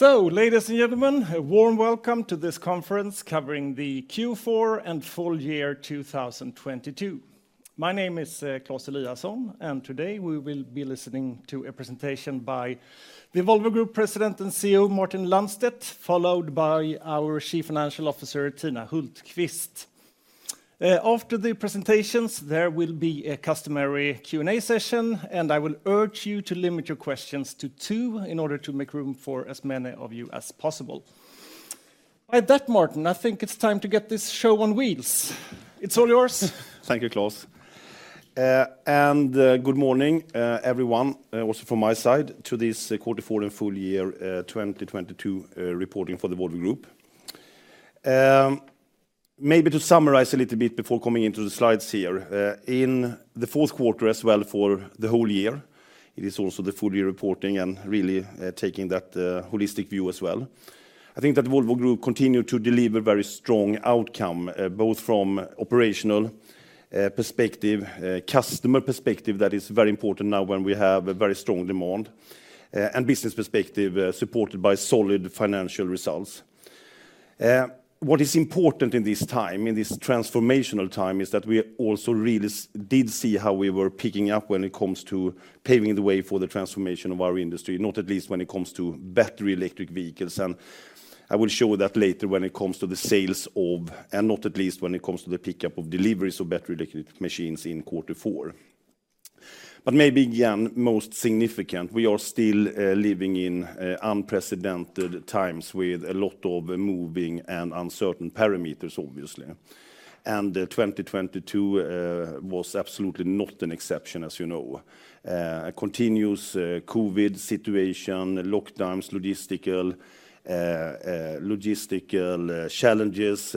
Ladies and gentlemen, a warm welcome to this conference covering the Q4 and full year 2022. My name is Claes Eliasson. Today we will be listening to a presentation by the Volvo Group President and CEO Martin Lundstedt, followed by our Chief Financial Officer, Tina Hultkvist. After the presentations, there will be a customary Q&A session. I will urge you to limit your questions to two in order to make room for as many of you as possible. At that, Martin, I think it's time to get this show on wheels. It's all yours. Thank you, Claes. Good morning, everyone, also from my side to this quarter four and full year 2022 reporting for the Volvo Group. Maybe to summarize a little bit before coming into the slides here. In the fourth quarter as well for the whole year, it is also the full year reporting and really taking that holistic view as well. I think that Volvo Group continued to deliver very strong outcome, both from operational perspective, customer perspective, that is very important now when we have a very strong demand and business perspective, supported by solid financial results. What is important in this time, in this transformational time, is that we also really did see how we were picking up when it comes to paving the way for the transformation of our industry, not at least when it comes to battery electric vehicles. I will show that later when it comes to the sales of, not at least when it comes to the pickup of deliveries of battery electric machines in quarter four. Maybe, again, most significant, we are still living in unprecedented times with a lot of moving and uncertain parameters, obviously. 2022 was absolutely not an exception, as you know. A continuous COVID situation, lockdowns, logistical challenges,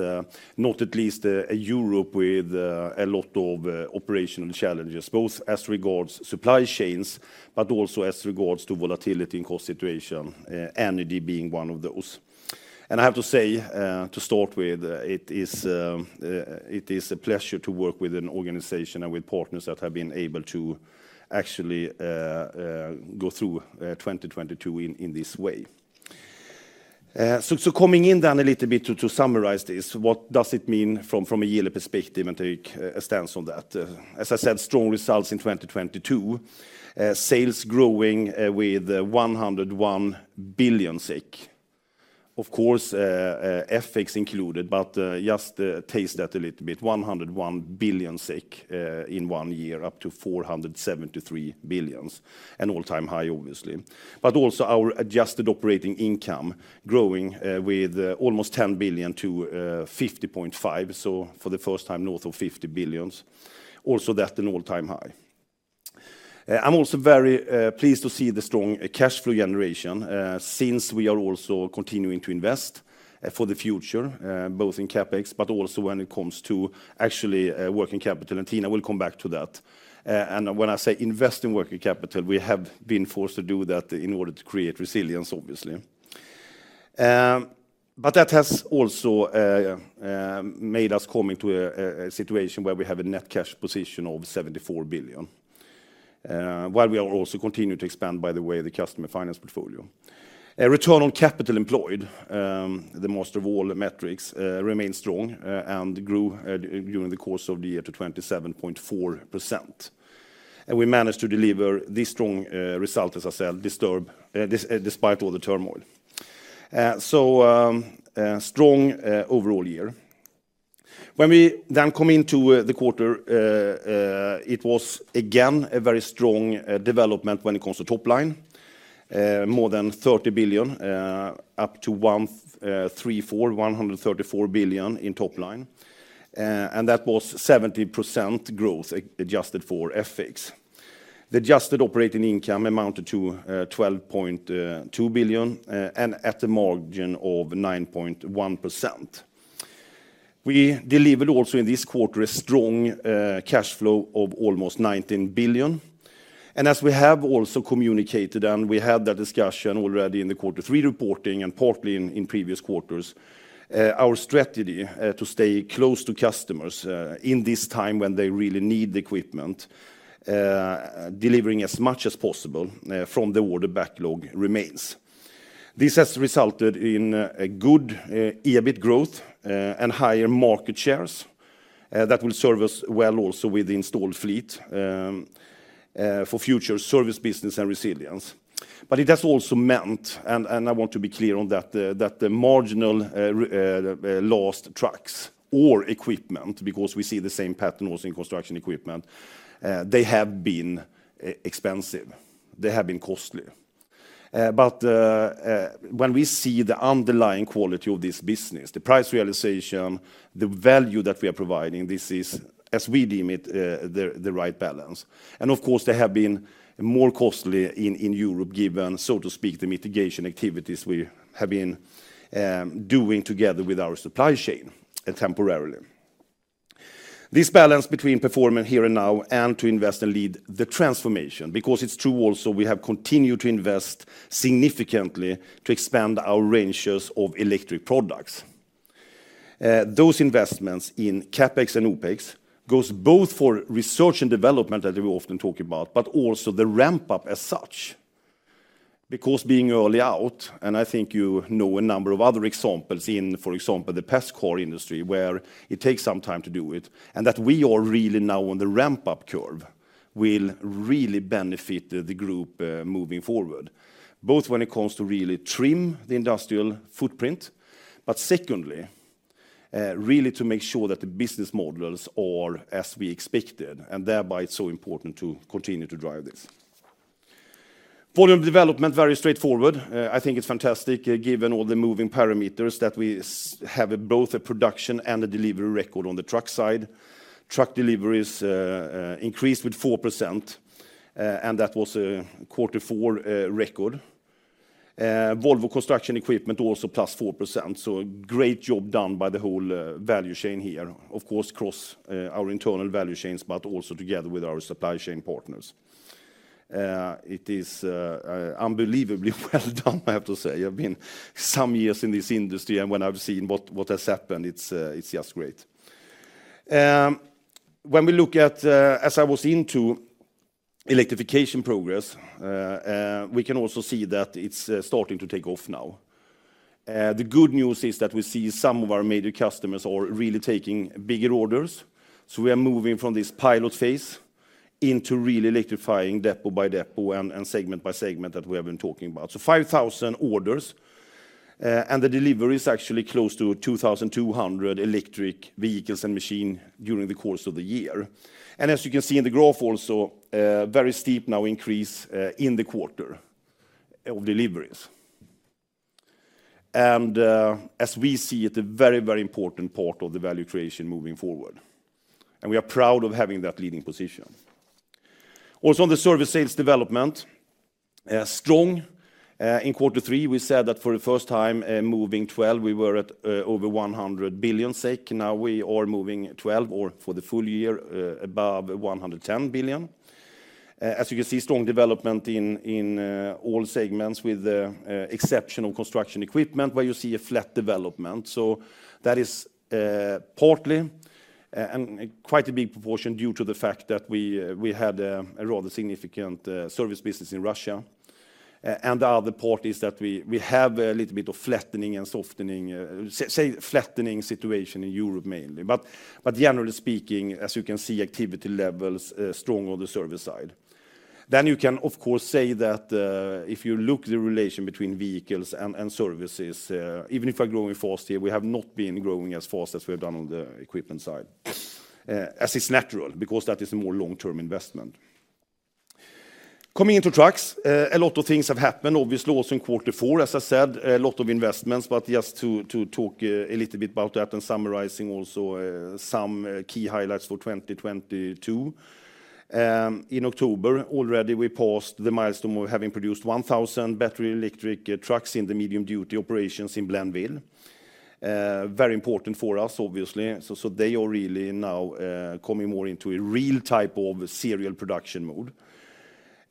not at least a Europe with a lot of operational challenges, both as regards supply chains, but also as regards to volatility and cost situation, energy being one of those. I have to say, to start with, it is a pleasure to work with an organization and with partners that have been able to actually go through 2022 in this way. Coming in then a little bit to summarize this, what does it mean from a yearly perspective and take a stance on that? As I said, strong results in 2022. Sales growing with 101 billion SEK. Of course, FX included, but just taste that a little bit, 101 billion SEK in one year, up to 473 billion, an all-time high, obviously. But also our adjusted operating income growing with almost 10 billion-50.5 billion so for the first time, north of 50 billion. Also that an all-time high. I am also very pleased to see the strong cash flow generation, since we are also continuing to invest for the future, both in CapEx, but also when it comes to actually working capital, and Tina Hultkvist will come back to that. And when I say invest in working capital, we have been forced to do that in order to create resilience, obviously. That has also made us coming to a situation where we have a net cash position of 74 billion while we are also continuing to expand, by the way, the customer finance portfolio. A Return on Capital Employed, the master of all metrics, remained strong and grew during the course of the year to 27.4%. We managed to deliver this strong result, as I said, despite all the turmoil. A strong overall year. We then come into the quarter, it was again a very strong development when it comes to top line. More than 30 billion up to 134 billion in top line. That was 70% growth adjusted for FX. The adjusted operating income amounted to 12.2 billion and at a margin of 9.1%. We delivered also in this quarter a strong cash flow of almost 19 billion. As we have also communicated, and we had that discussion already in the quarter three reporting and partly in previous quarters, our strategy to stay close to customers in this time when they really need the equipment, delivering as much as possible from the order backlog remains. This has resulted in a good EBIT growth and higher market shares that will serve us well also with the installed fleet for future service business and resilience. It has also meant, and I want to be clear on that the marginal lost trucks or equipment, because we see the same pattern also in construction equipment, they have been expensive. They have been costly. When we see the underlying quality of this business, the price realization, the value that we are providing, this is, as we deem it, the right balance. Of course, they have been more costly in Europe given, so to speak, the mitigation activities we have been doing together with our supply chain, temporarily. This balance between performing here and now and to invest and lead the transformation, because it's true also we have continued to invest significantly to expand our ranges of electric products. Those investments in CapEx and OpEx goes both for research and development that we often talk about, but also the ramp up as such. Because being early out, and I think you know a number of other examples in, for example, the passenger car industry, where it takes some time to do it, and that we are really now on the ramp up curve, will really benefit the group moving forward, both when it comes to really trim the industrial footprint, but secondly, really to make sure that the business models are as we expected, and thereby it's so important to continue to drive this. Volume development, very straightforward. I think it's fantastic given all the moving parameters that we have both a production and a delivery record on the truck side. Truck deliveries increased with 4%, and that was a quarter four record. Volvo Construction Equipment also plus 4%. A great job done On the service sales development, strong in Q3, we said that for the first time, moving twelve, we were at over 100 billion. Now we are moving 12 or for the full year, above 110 billion. As you can see, strong development in all segments with the exceptional Volvo Construction Equipment where you see a flat development. That is partly and quite a big proportion due to the fact that we had a rather significant service business in Russia. The other part is that we have a little bit of flattening and softening, flattening situation in Europe mainly. Generally speaking, as you can see, activity levels strong on the service side. You can of course say that, if you look the relation between vehicles and services, even if we're growing fast here, we have not been growing as fast as we have done on the equipment side, as is natural, because that is a more long-term investment. Coming into trucks, a lot of things have happened, obviously also in Q4, as I said, a lot of investments, just to talk a little bit about that and summarizing also some key highlights for 2022. In October, already we passed the milestone of having produced 1,000 battery electric trucks in the medium-duty operations in Blainville. Very important for us, obviously. They are really now coming more into a real type of serial production mode.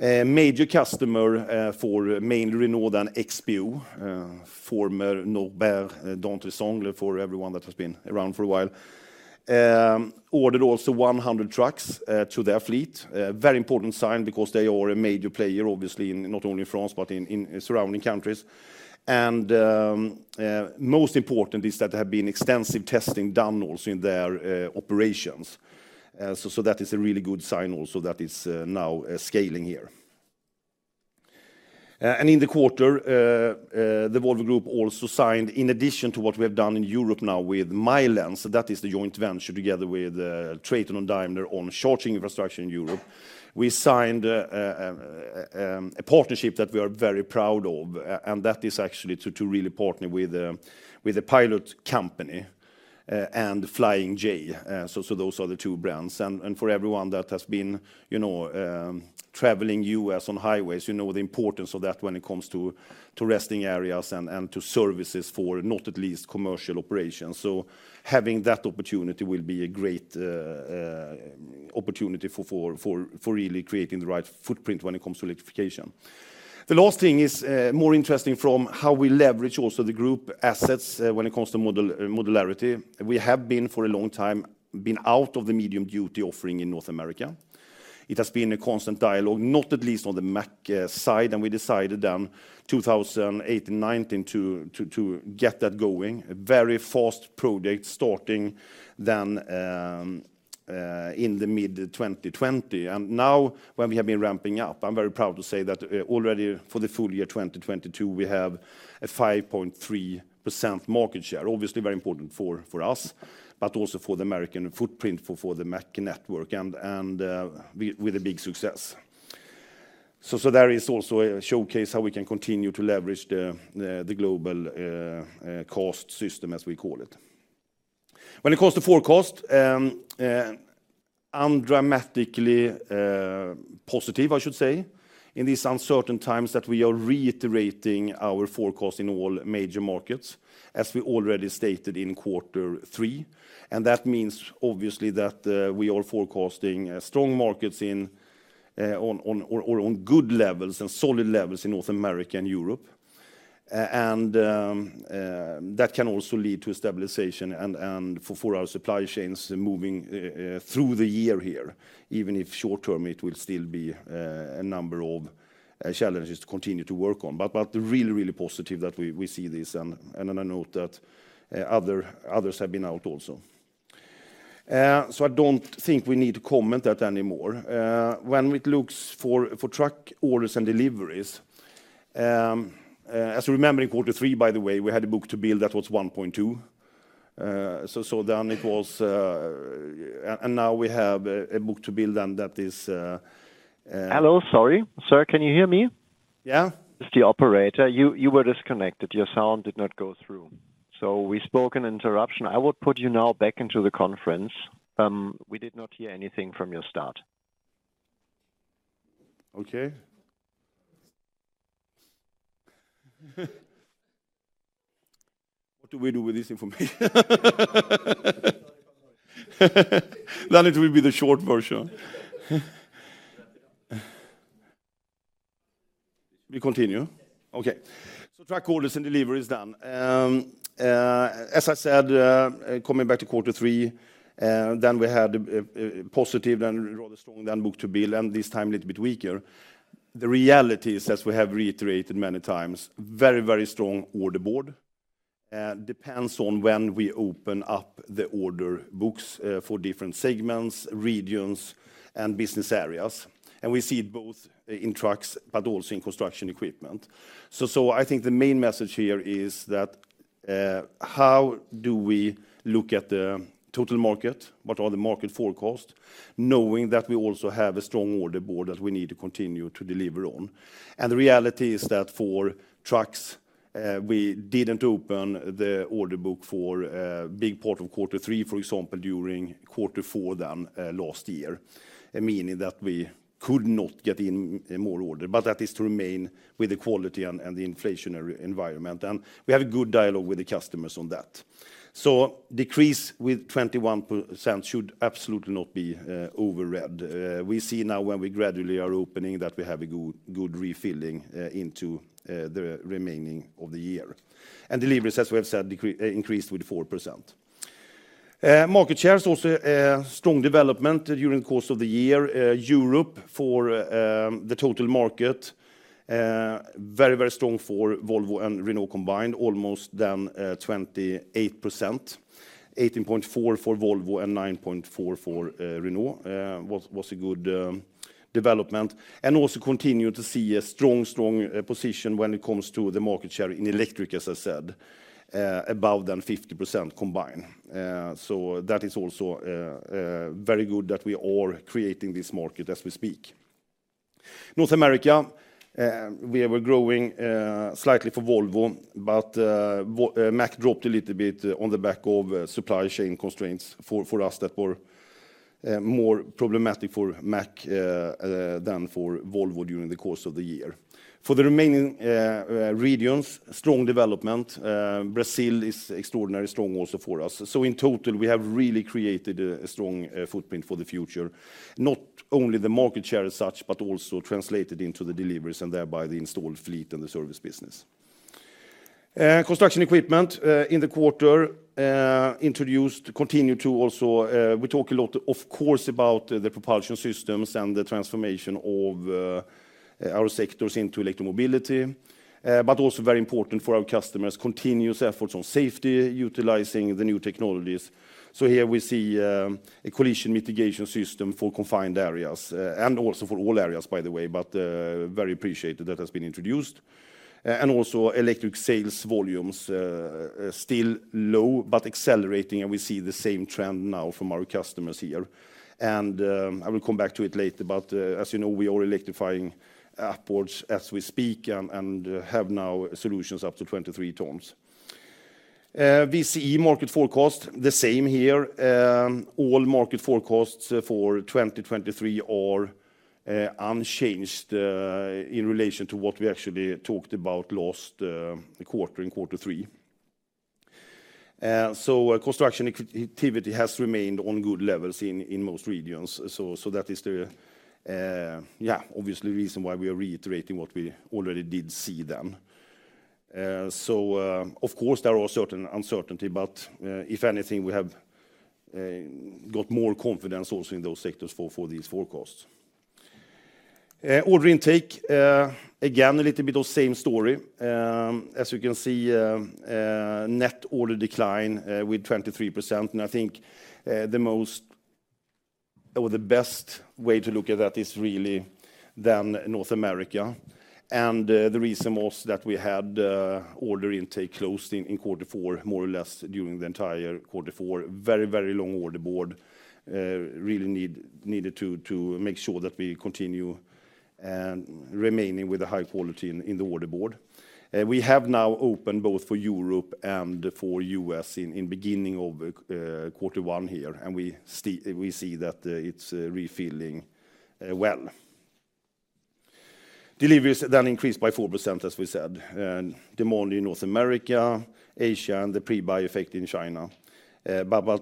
A major customer, for mainly Renault and XPO, former Norbert Dentressangle for everyone that has been around for a while, ordered also 100 trucks to their fleet. Very important sign because they are a major player, obviously, in not only France, but in surrounding countries. Most important is that there have been extensive testing done also in their operations. That is a really good sign also that is now scaling here. In the quarter, the Volvo Group also signed in addition to what we have done in Europe now with Milence. That is the joint venture together with Traton and Daimler Truck on charging infrastructure in Europe. We signed a partnership that we are very proud of, and that is actually to really partner with the Pilot Company and Flying J. Those are the two brands. For everyone that has been, you know, traveling U.S. on highways, you know the importance of that when it comes to resting areas and to services for not at least commercial operations. Having that opportunity will be a great opportunity for really creating the right footprint when it comes to electrification. The last thing is more interesting from how we leverage also the group assets when it comes to modularity. We have been, for a long time, been out of the medium-duty offering in North America. It has been a constant dialogue, not at least on the Mack side. We decided then 2018, 2019 to get that going. A very fast project starting then in the mid-2020. Now when we have been ramping up, I'm very proud to say that already for the full year 2022, we have a 5.3% market share. Obviously very important for us, but also for the American footprint for the Mack network and with a big success. There is also a showcase how we can continue to leverage the global cost system, as we call it. When it comes to forecast, I'm dramatically positive, I should say, in these uncertain times that we are reiterating our forecast in all major markets, as we already stated in quarter three. That means obviously that we are forecasting strong markets on good levels and solid levels in North America and Europe. That can also lead to stabilization and for our supply chains moving through the year here, even if short term it will still be a number of challenges to continue to work on. Really positive that we see this and on a note that others have been out also. I don't think we need to comment that anymore. When it looks for truck orders and deliveries, as you remember in quarter three, by the way, we had a book to build that was 1.2. It was... Now we have a book to build and that is... Hello. Sorry. Sir, can you hear me? Yeah. It's the operator. You were disconnected. Your sound did not go through. We spoke in interruption. I will put you now back into the conference. We did not hear anything from your start. Okay. What do we do with this information? It will be the short version. We continue? Okay. Truck orders and deliveries done. As I said, coming back to quarter three, then we had positive and rather strong book-to-bill, and this time a little bit weaker. The reality is, as we have reiterated many times, very strong order board depends on when we open up the order books for different segments, regions, and business areas. We see both in trucks but also in construction equipment. I think the main message here is that how do we look at the total market? What are the market forecast? Knowing that we also have a strong order board that we need to continue to deliver on. The reality is that for trucks, we didn't open the order book for a big part of quarter three, for example, during quarter four than last year, meaning that we could not get in more order, but that is to remain with the quality and the inflationary environment. We have a good dialogue with the customers on that. Decrease with 21% should absolutely not be overread. We see now when we gradually are opening that we have a good refilling into the remaining of the year. Deliveries, as we have said, increased with 4%. Market share is also strong development during the course of the year. Europe for the total market, very strong for Volvo and Renault combined, almost than 28%, 18.4 for Volvo and 9.4 for Renault, was a good development. Also continue to see a strong position when it comes to the market share in electric, as I said, above than 50% combined. That is also very good that we are creating this market as we speak. North America, we were growing slightly for Volvo, Mack dropped a little bit on the back of supply chain constraints for us that were more problematic for Mack than for Volvo during the course of the year. For the remaining regions, strong development. Brazil is extraordinary strong also for us. In total, we have really created a strong footprint for the future, not only the market share as such, but also translated into the deliveries and thereby the installed fleet and the service business. Construction equipment in the quarter introduced, continue to also, we talk a lot of course about the propulsion systems and the transformation of our sectors into electro mobility, but also very important for our customers, continuous efforts on safety, utilizing the new technologies. Here we see a Collision Mitigation System for confined areas, and also for all areas, by the way, but very appreciated that has been introduced. And also electric sales volumes still low but accelerating, and we see the same trend now from our customers here. I will come back to it later, but as you know, we are electrifying upwards as we speak and have now solutions up to 23 tons. VCE market forecast, the same here. All market forecasts for 2023 are unchanged in relation to what we actually talked about last quarter, in quarter three. Construction activity has remained on good levels in most regions. That is the obviously the reason why we are reiterating what we already did see then. Of course, there are certain uncertainty, but if anything, we have got more confidence also in those sectors for these forecasts. Order intake, again, a little bit of same story. As you can see, net order decline with 23%. I think the most or the best way to look at that is really than North America. The reason was that we had order intake closed in quarter four, more or less during the entire quarter four. Very long order board. Really needed to make sure that we continue remaining with the high quality in the order board. We have now opened both for Europe and for U.S. in beginning of quarter one here, and we see that it's refilling well. Deliveries increased by 4%, as we said, demand in North America, Asia, and the pre-buy effect in China. Again,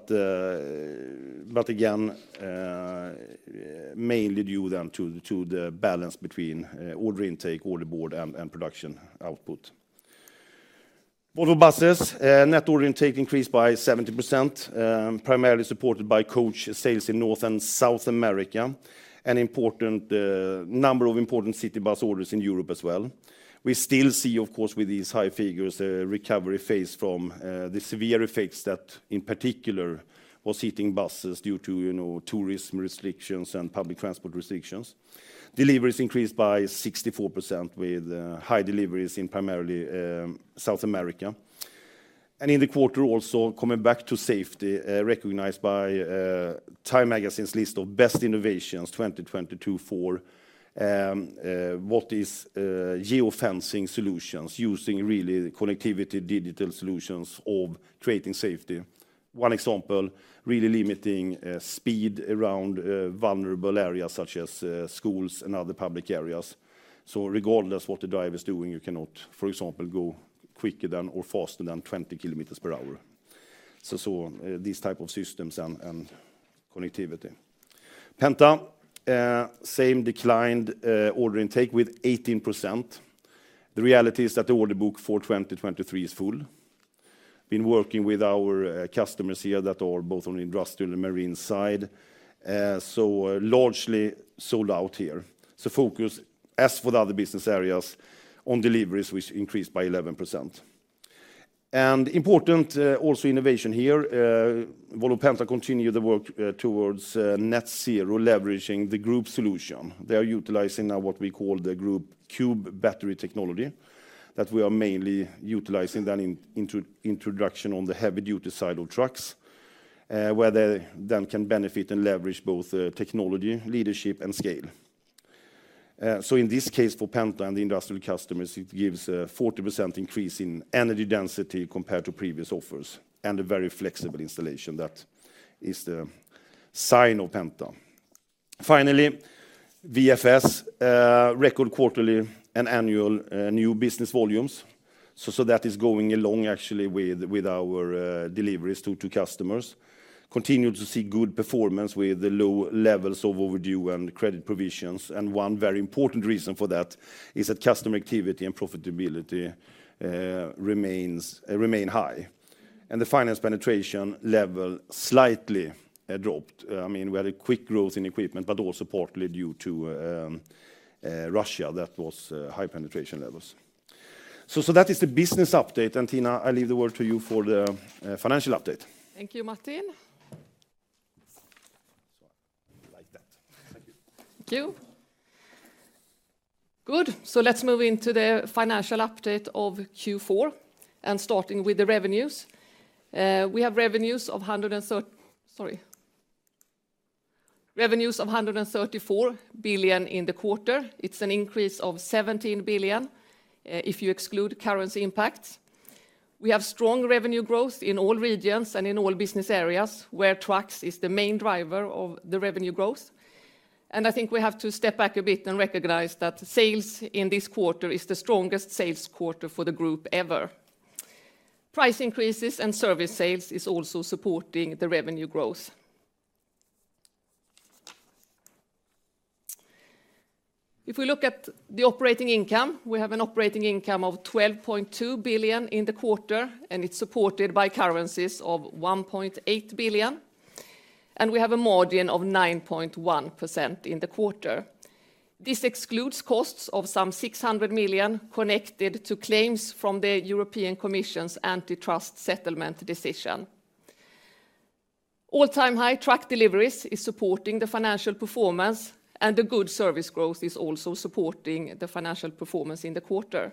mainly due to the balance between order intake, order board, and production output. Volvo Buses, net order intake increased by 17%, primarily supported by coach sales in North and South America, an important number of important city bus orders in Europe as well. We still see, of course, with these high figures, a recovery phase from the severe effects that, in particular, was hitting buses due to, you know, tourism restrictions and public transport restrictions. Deliveries increased by 64% with high deliveries in primarily South America. In the quarter also, coming back to safety, recognized by TIME's list of Best Inventions 2022 for what is geofencing solutions, using really the connectivity digital solutions of creating safety. One example, really limiting speed around vulnerable areas such as schools and other public areas. Regardless what the driver's doing, you cannot, for example, go quicker than or faster than 20 kilometers per hour. These type of systems and connectivity. Volvo Penta, same declined order intake with 18%. The reality is that the order book for 2023 is full. Been working with our customers here that are both on the industrial and marine side. Largely sold out here. Focus, as with other business areas, on deliveries, which increased by 11%. Important, also innovation here, Volvo Penta continue the work towards net zero, leveraging the group solution. They are utilizing now what we call the group cube battery technology, that we are mainly utilizing then in introduction on the heavy-duty side of trucks, where they then can benefit and leverage both technology, leadership, and scale. In this case, for Penta and the industrial customers, it gives a 40% increase in energy density compared to previous offers, and a very flexible installation. That is the sign of Penta. Finally, VFS, record quarterly and annual new business volumes. That is going along actually with our deliveries to customers. Continue to see good performance with the low levels of overdue and credit provisions, and one very important reason for that is that customer activity and profitability remains high. The finance penetration level slightly dropped. I mean, we had a quick growth in equipment, but also partly due to Russia, that was high penetration levels. That is the business update. Tina, I leave the word to you for the financial update. Thank you, Martin. Sorry. Like that. Thank you. Thank you. Good. Let's move into the financial update of Q4, and starting with the revenues. Revenues of 134 billion in the quarter. It's an increase of 17 billion if you exclude currency impacts. We have strong revenue growth in all regions and in all business areas, where trucks is the main driver of the revenue growth. I think we have to step back a bit and recognize that sales in this quarter is the strongest sales quarter for the Group ever. Price increases and service sales is also supporting the revenue growth. If we look at the operating income, we have an operating income of 12.2 billion in the quarter, and it's supported by currencies of 1.8 billion, and we have a margin of 9.1% in the quarter. This excludes costs of some 600 million connected to claims from the European Commission's antitrust settlement decision. All-time high truck deliveries is supporting the financial performance, and the good service growth is also supporting the financial performance in the quarter.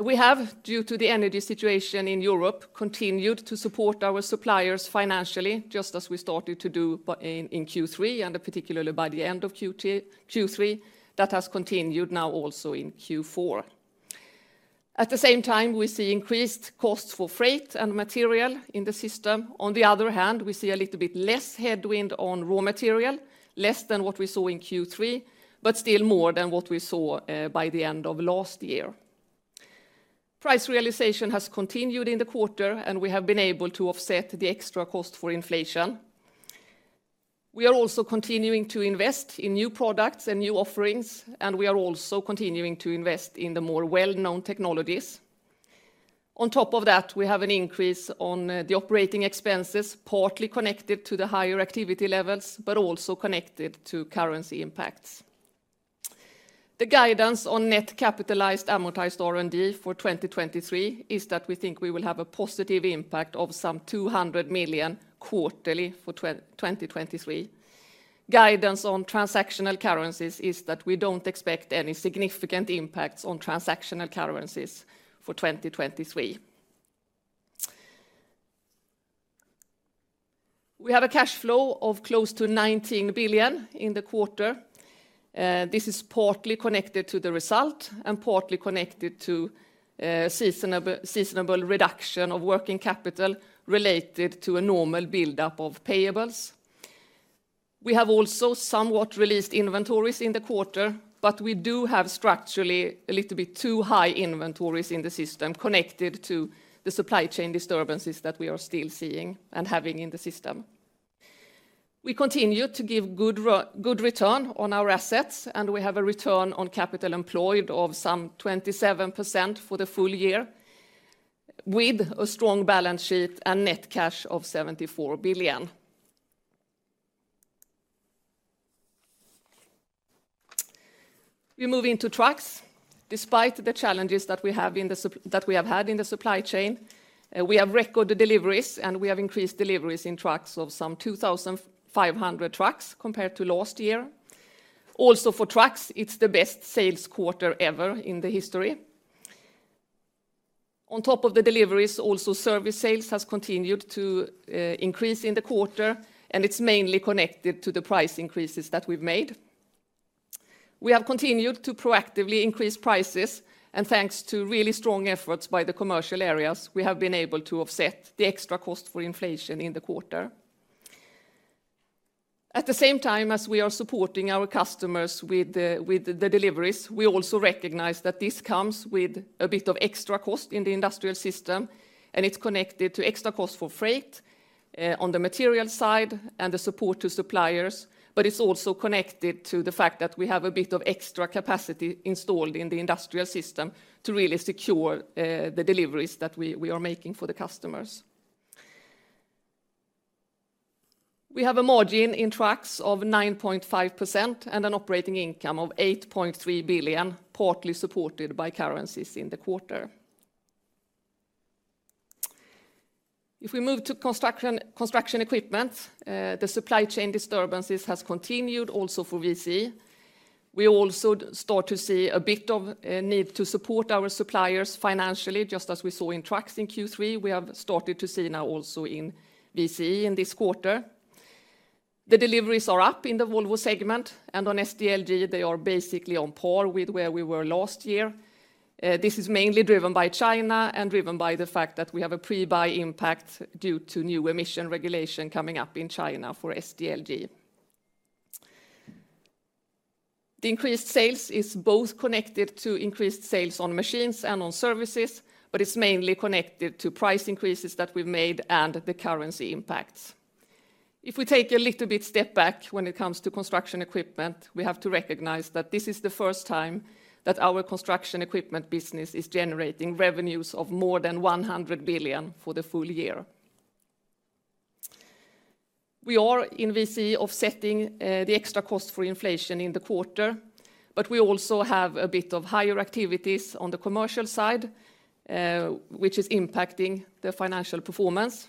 We have, due to the energy situation in Europe, continued to support our suppliers financially, just as we started to do in Q3, and particularly by the end of Q3. That has continued now also in Q4. At the same time, we see increased costs for freight and material in the system. On the other hand, we see a little bit less headwind on raw material, less than what we saw in Q3, but still more than what we saw by the end of last year. Price realization has continued in the quarter, and we have been able to offset the extra cost for inflation. We are also continuing to invest in new products and new offerings, we are also continuing to invest in the more well-known technologies. On top of that, we have an increase on the operating expenses, partly connected to the higher activity levels, but also connected to currency impacts. The guidance on net capitalized amortized R&D for 2023 is that we think we will have a positive impact of some 200 million quarterly for 2023. Guidance on transactional currencies is that we don't expect any significant impacts on transactional currencies for 2023. We have a cash flow of close to 19 billion in the quarter. This is partly connected to the result and partly connected to seasonable reduction of working capital related to a normal buildup of payables. We have also somewhat released inventories in the quarter. We do have structurally a little bit too high inventories in the system connected to the supply chain disturbances that we are still seeing and having in the system. We continue to give good return on our assets. We have a Return on Capital Employed of some 27% for the full year with a strong balance sheet and net cash of 74 billion. We move into trucks. Despite the challenges that we have had in the supply chain, we have recorded deliveries. We have increased deliveries in trucks of some 2,500 trucks compared to last year. Also for trucks, it's the best sales quarter ever in the history. On top of the deliveries, also service sales has continued to increase in the quarter. It's mainly connected to the price increases that we've made. We have continued to proactively increase prices. Thanks to really strong efforts by the commercial areas, we have been able to offset the extra cost for inflation in the quarter. At the same time as we are supporting our customers with the deliveries, we also recognize that this comes with a bit of extra cost in the industrial system. It's connected to extra cost for freight on the material side and the support to suppliers. It's also connected to the fact that we have a bit of extra capacity installed in the industrial system to really secure the deliveries that we are making for the customers. We have a margin in trucks of 9.5% and an operating income of 8.3 billion, partly supported by currencies in the quarter. We move to construction equipment, the supply chain disturbances has continued also for VCE. We also start to see a bit of a need to support our suppliers financially, just as we saw in trucks in Q3, we have started to see now also in VCE in this quarter. The deliveries are up in the Volvo segment, on SDLG, they are basically on par with where we were last year. This is mainly driven by China and driven by the fact that we have a pre-buy impact due to new emission regulation coming up in China for SDLG. The increased sales is both connected to increased sales on machines and on services, it's mainly connected to price increases that we've made and the currency impacts. If we take a little bit step back when it comes to construction equipment, we have to recognize that this is the first time that our construction equipment business is generating revenues of more than 100 billion for the full year. We are in VCE offsetting the extra cost for inflation in the quarter, we also have a bit of higher activities on the commercial side, which is impacting the financial performance.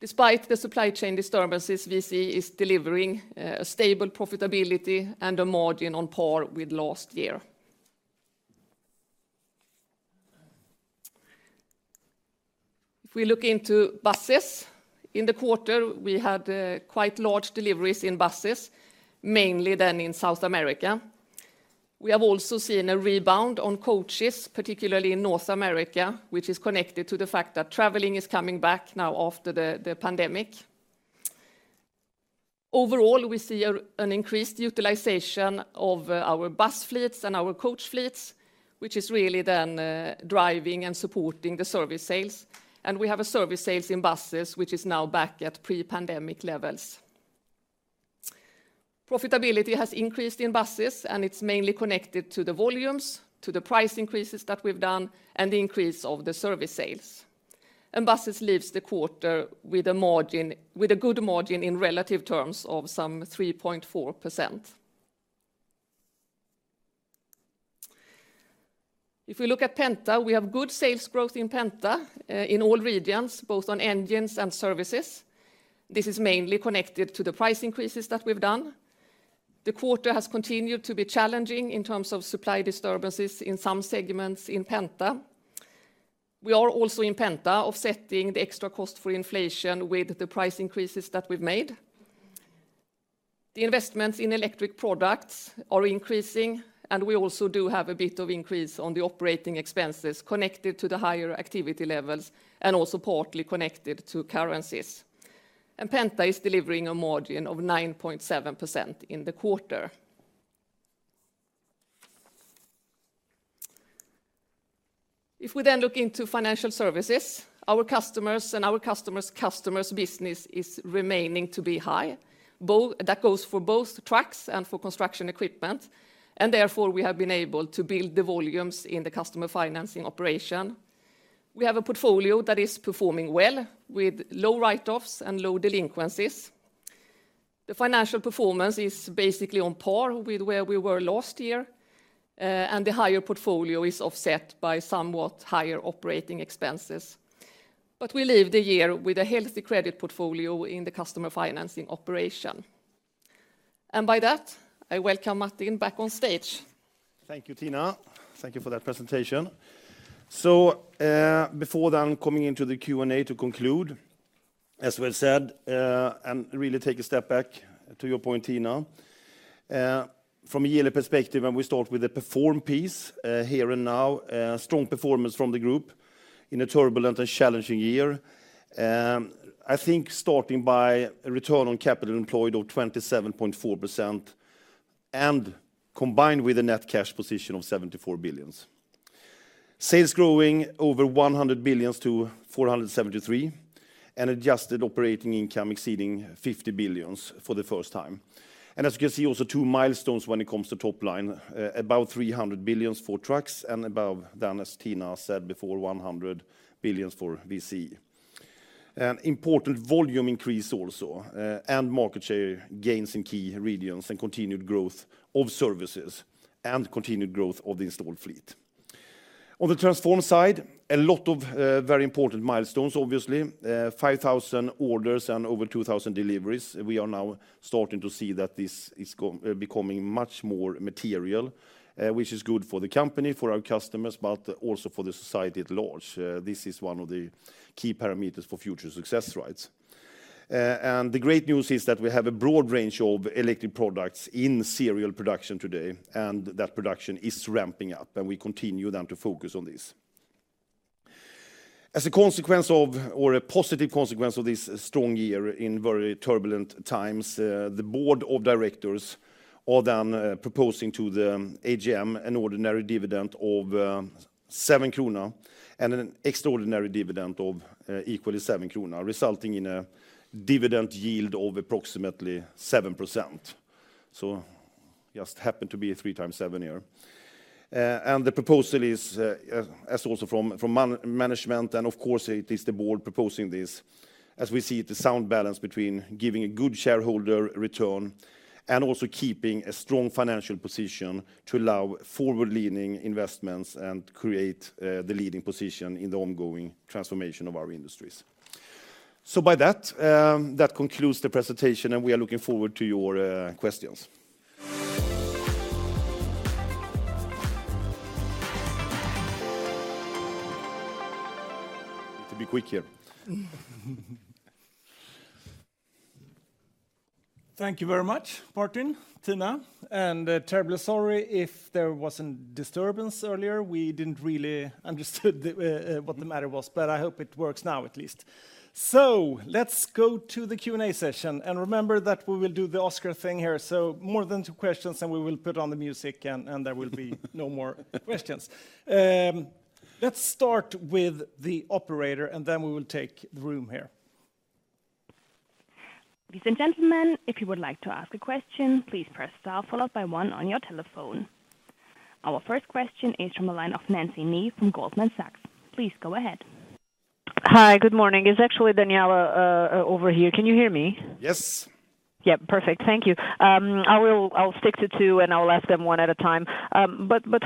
Despite the supply chain disturbances, VCE is delivering a stable profitability and a margin on par with last year. If we look into buses, in the quarter, we had quite large deliveries in buses, mainly then in South America. We have also seen a rebound on coaches, particularly in North America, which is connected to the fact that traveling is coming back now after the pandemic. Overall, we see an increased utilization of our bus fleets and our coach fleets, which is really then driving and supporting the service sales. We have a service sales in buses, which is now back at pre-pandemic levels. Profitability has increased in buses, and it's mainly connected to the volumes, to the price increases that we've done, and the increase of the service sales. Buses leaves the quarter with a margin, with a good margin in relative terms of some 3.4%. We look at Penta, we have good sales growth in Penta, in all regions, both on engines and services. This is mainly connected to the price increases that we've done. The quarter has continued to be challenging in terms of supply disturbances in some segments in Penta. We are also in Penta offsetting the extra cost for inflation with the price increases that we've made. The investments in electric products are increasing, and we also do have a bit of increase on the operating expenses connected to the higher activity levels and also partly connected to currencies. Penta is delivering a margin of 9.7% in the quarter. If we then look into financial services, our customers and our customers business is remaining to be high. That goes for both trucks and for construction equipment, and therefore, we have been able to build the volumes in the customer financing operation. We have a portfolio that is performing well with low write-offs and low delinquencies. The financial performance is basically on par with where we were last year, and the higher portfolio is offset by somewhat higher operating expenses. But we leave the year with a healthy credit portfolio in the customer financing operation. By that, I welcome Martin back on stage. Thank you, Tina. Thank you for that presentation. Before then coming into the Q&A to conclude, as well said, and really take a step back to your point, Tina. From a yearly perspective, we start with the perform piece, here and now, strong performance from the group in a turbulent and challenging year. I think starting by a Return on Capital Employed of 27.4% and combined with a net cash position of 74 billion. Sales growing over 100 billion to 473 billion, and adjusted operating income exceeding 50 billion for the first time. As you can see, also two milestones when it comes to top line, above 300 billion for trucks and above then, as Tina said before, 100 billion for VC. An important volume increase also, and market share gains in key regions and continued growth of services and continued growth of the installed fleet. On the transform side, a lot of very important milestones, obviously. 5,000 orders and over 2,000 deliveries. We are now starting to see that this is becoming much more material, which is good for the company, for our customers, but also for the society at large. This is one of the key parameters for future success rates. The great news is that we have a broad range of electric products in serial production today, and that production is ramping up, and we continue then to focus on this. As a consequence of, or a positive consequence of this strong year in very turbulent times, the board of directors are then proposing to the AGM an ordinary dividend of 7 kronor and an extraordinary dividend of equally 7 kronor, resulting in a dividend yield of approximately 7%. Just happened to be a three times seven year. The proposal is as also from management. Of course, it is the board proposing this. As we see it, a sound balance between giving a good shareholder return and also keeping a strong financial position to allow forward-leaning investments and create the leading position in the ongoing transformation of our industries. By that concludes the presentation, and we are looking forward to your questions. Need to be quick here. Thank you very much, Martin, Tina. Terribly sorry if there was a disturbance earlier. We didn't really understood the what the matter was. I hope it works now at least. Let's go to the Q&A session. Remember that we will do the Oscar thing here. More than two questions. We will put on the music. There will be no more questions. Let's start with the operator. Then we will take the room here. Ladies and gentlemen, if you would like to ask a question, please press star followed by one on your telephone. Our first question is from a line of Daniela Costa from Goldman Sachs. Please go ahead. Hi, good morning. It's actually Daniela over here. Can you hear me? Yes. Perfect. Thank you. I will, I'll stick to two, and I'll ask them one at a time.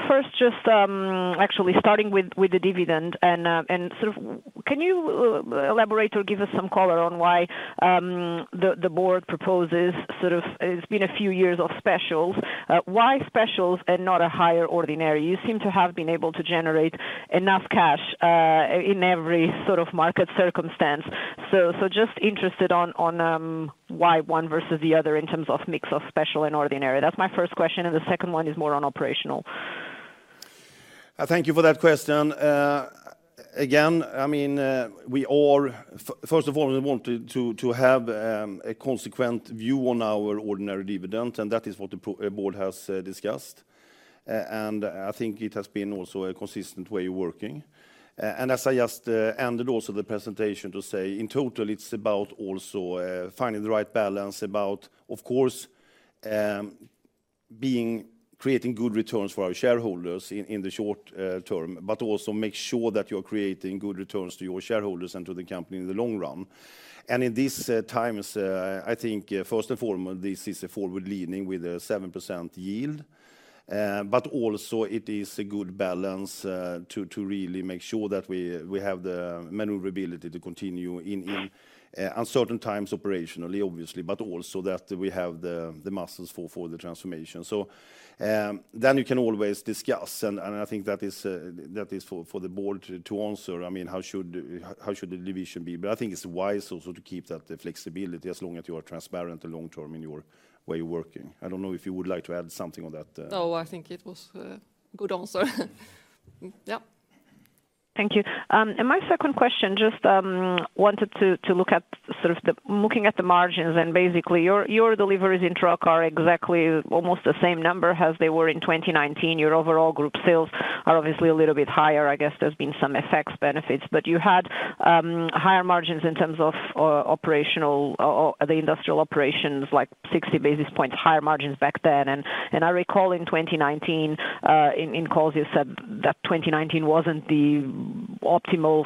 First, just, actually starting with the dividend and sort of can you elaborate or give us some color on why the board proposes sort of it's been a few years of specials. Why specials and not a higher ordinary? You seem to have been able to generate enough cash in every sort of market circumstance. Just interested on, why 1 versus the other in terms of mix of special and ordinary. That's my first question. The second one is more on operational. Thank you for that question. Again, I mean, first of all, we want to have a consequent view on our ordinary dividend, and that is what the board has discussed. I think it has been also a consistent way of working. As I just ended also the presentation to say in total, it's about also finding the right balance about, of course, being, creating good returns for our shareholders in the short term, but also make sure that you're creating good returns to your shareholders and to the company in the long run. In these times, I think, first and foremost, this is a forward-leaning with a 7% yield. Also it is a good balance, to really make sure that we have the maneuverability to continue in uncertain times operationally, obviously, but also that we have the muscles for the transformation. You can always discuss, and I think that is, that is for the board to answer. I mean, how should the division be? I think it's wise also to keep that flexibility as long as you are transparent and long term in your way of working. I don't know if you would like to add something on that. No, I think it was a good answer. Yeah. Thank you. My second question, just wanted to look at sort of looking at the margins and basically your deliveries in truck are exactly almost the same number as they were in 2019. Your overall group sales are obviously a little bit higher. I guess there's been some effects, benefits. You had higher margins in terms of operational or the industrial operations, like 60 basis points, higher margins back then. I recall in 2019, in calls, you said that 2019 wasn't the optimal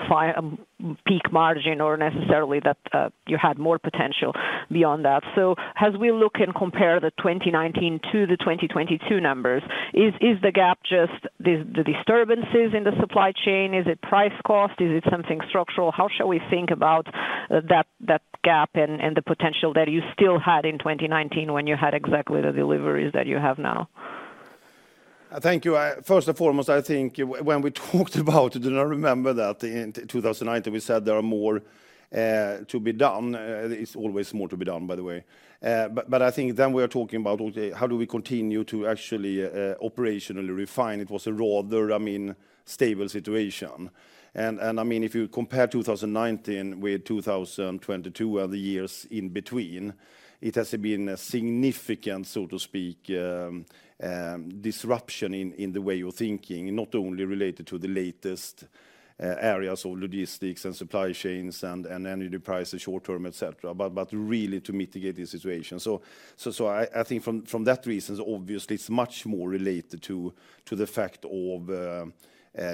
peak margin or necessarily that you had more potential beyond that. As we look and compare the 2019 to the 2022 numbers, is the gap just the disturbances in the supply chain? Is it price cost? Is it something structural? How should we think about that gap and the potential that you still had in 2019 when you had exactly the deliveries that you have now? Thank you. First and foremost, I think when we talked about I do not remember that in 2019, we said there are more to be done. There is always more to be done, by the way. But I think then we are talking about, okay, how do we continue to actually operationally refine? It was a rather, I mean, stable situation. I mean, if you compare 2019 with 2022, or the years in between, it has been a significant, so to speak, disruption in the way you're thinking, not only related to the latest areas of logistics and supply chains and energy prices, short-term, et cetera, but really to mitigate the situation. I think from that reason, obviously it's much more related to the fact of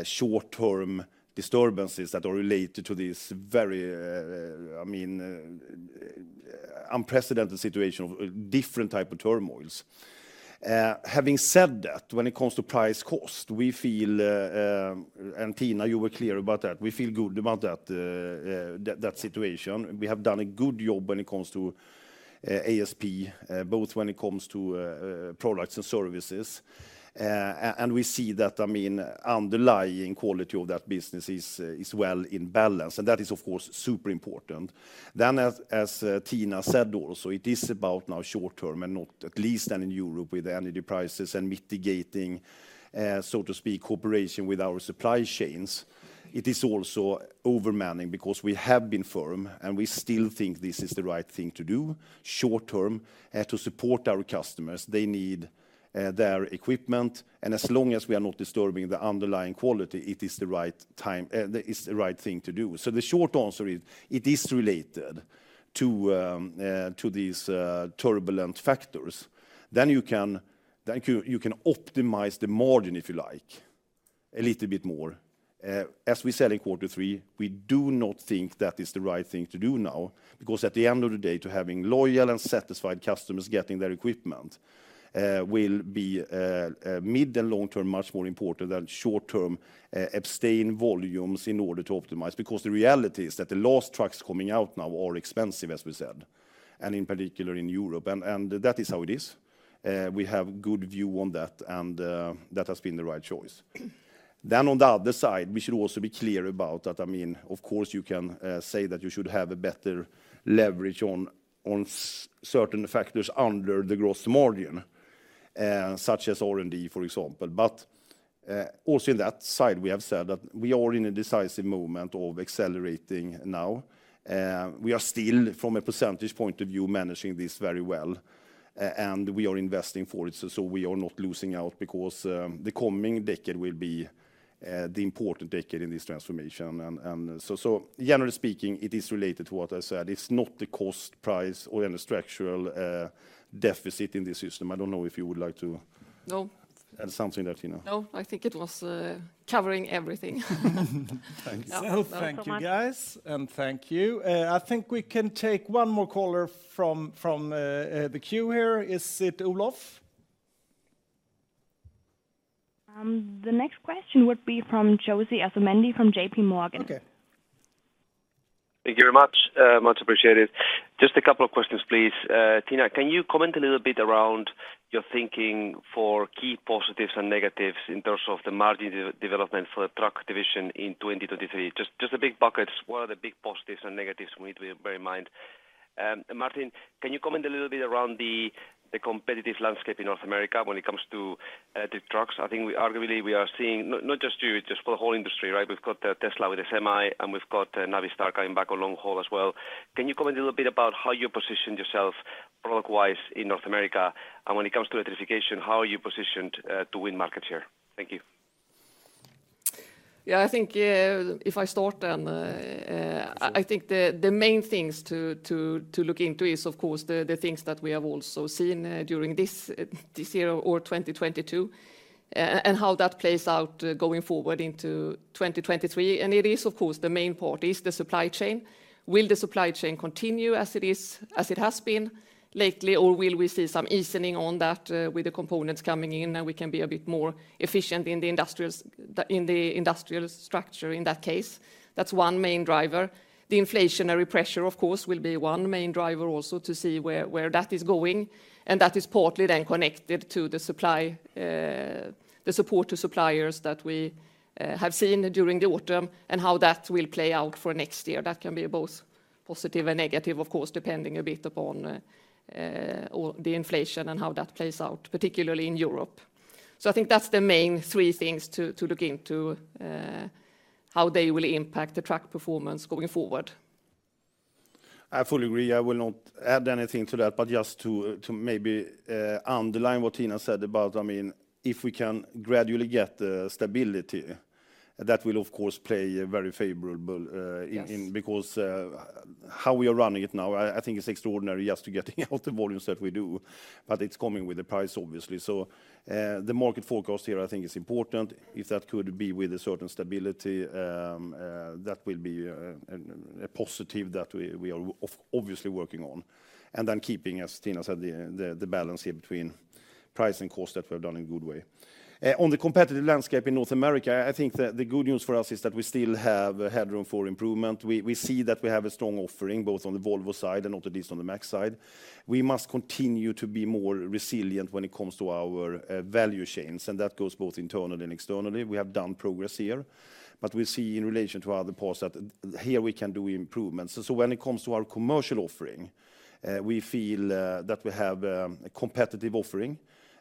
short-term disturbances that are related to this very, I mean, unprecedented situation of different type of Turmoils. Having said that, when it comes to price cost, we feel, and Tina, you were clear about that. We feel good about that situation. We have done a good job when it comes to ASP, both when it comes to products and services. We see that, I mean, underlying quality of that business is well in balance, and that is of course super important. As Tina said also, it is about now short-term and not, at least then in Europe with energy prices and mitigating, so to speak, cooperation with our supply chains. It is also overmanning because we have been firm, and we still think this is the right thing to do short-term, to support our customers. They need their equipment, and as long as we are not disturbing the underlying quality, it is the right time, it's the right thing to do. The short answer is, it is related to these turbulent factors. You can optimize the margin, if you like, a little bit more. As we said in quarter three, we do not think that is the right thing to do now. At the end of the day, to having loyal and satisfied customers getting their equipment, will be mid to long term, much more important than short-term abstain volumes in order to optimize. The reality is that the last trucks coming out now are expensive, as we said, and in particular in Europe. That is how it is. We have good view on that, and that has been the right choice. On the other side, we should also be clear about that, I mean, of course, you can say that you should have a better leverage on certain factors under the gross margin, such as R&D, for example. Also in that side, we have said that we are in a decisive moment of accelerating now. We are still, from a percentage point of view, managing this very well, and we are investing for it, so we are not losing out because the coming decade will be the important decade in this transformation. Generally speaking, it is related to what I said. It's not the cost price or any structural deficit in the system. I don't know if you would like. No Add something that, you know. No, I think it was covering everything. Thanks. Yeah. No comment. Well, thank you guys, and thank you. I think we can take one more caller from the queue here. Is it Olof? The next question would be from José Asumendi from JPMorgan. Okay. Thank you very much. Much appreciated. Just a couple of questions, please. Tina, can you comment a little bit around your thinking for key positives and negatives in terms of the margin development for the truck division in 2023? Just the big buckets. What are the big positives and negatives we need to bear in mind? Martin, can you comment a little bit around the competitive landscape in North America when it comes to the trucks? I think we arguably, we are seeing, not just you, just for the whole industry, right? We've got Tesla with a Semi, and we've got Navistar coming back on long haul as well. Can you comment a little bit about how you position yourself product-wise in North America? And when it comes to electrification, how are you positioned to win market share? Thank you. Yeah, I think, if I start then. Sure I think the main things to look into is of course the things that we have also seen, during this year or 2022, and how that plays out, going forward into 2023. It is of course, the main part is the supply chain. Will the supply chain continue as it is, as it has been lately, or will we see some easing on that, with the components coming in, and we can be a bit more efficient in the industrial structure in that case? That's one main driver. The inflationary pressure, of course, will be one main driver also to see where that is going, and that is partly then connected to the supply, the support to suppliers that we have seen during the autumn, and how that will play out for next year. That can be both positive and negative, of course, depending a bit upon, on the inflation and how that plays out, particularly in Europe. I think that's the main three things to look into, how they will impact the truck performance going forward. I fully agree. I will not add anything to that, but just to maybe underline what Tina said about, I mean, if we can gradually get stability, that will of course play very favorable. Yes Because, how we are running it now, I think it's extraordinary just to getting out the volumes that we do, but it's coming with a price, obviously. The market forecast here I think is important. If that could be with a certain stability, that will be a positive that we are obviously working on. Keeping, as Tina said, the balance here between price and cost that we have done in a good way. On the competitive landscape in North America, I think the good news for us is that we still have a headroom for improvement. We see that we have a strong offering both on the Volvo side and also this on the Mack side. We must continue to be more resilient when it comes to our value chains, and that goes both internally and externally. We have done progress here, but we see in relation to other parts that here we can do improvements. When it comes to our commercial offering, we feel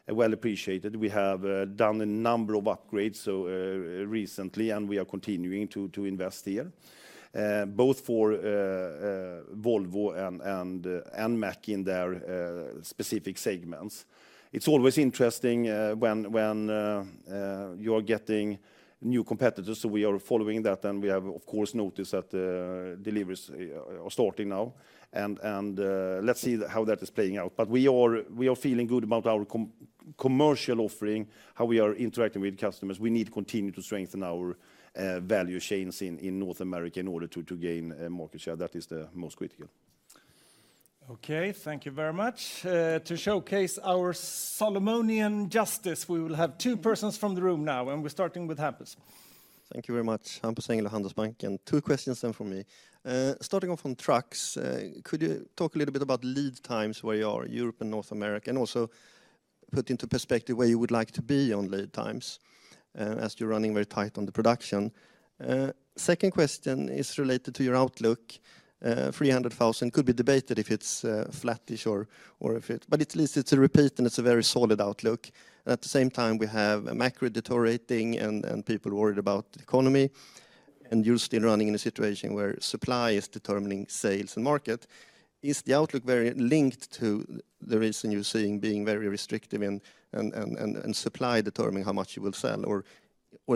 that we have a competitive offering, well appreciated. We have done a number of upgrades recently, and we are continuing to invest here, both for Volvo and Mack in their specific segments. It's always interesting when you are getting new competitors, so we are following that, and we have of course noticed that deliveries are starting now. Let's see how that is playing out. We are feeling good about our commercial offering, how we are interacting with customers. We need to continue to strengthen our value chains in North America in order to gain market share. That is the most critical. Okay. Thank you very much. To showcase our Solomonian justice, we will have two persons from the room now, and we're starting with Hampus. Thank you very much. Hampus Engellau, Handelsbanken. Two questions then from me. Starting off on trucks, could you talk a little bit about lead times, where you are, Europe and North America, and also put into perspective where you would like to be on lead times, as you're running very tight on the production? Second question is related to your outlook. 300,000 could be debated if it's flattish or if it. At least it's a repeat and it's a very solid outlook. At the same time, we have a macro deteriorating and people worried about the economy, and you're still running in a situation where supply is determining sales and market. Is the outlook very linked to the reason you're seeing being very restrictive and supply determining how much you will sell?